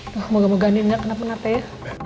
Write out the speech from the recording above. semoga moga andien gak kena penampil ya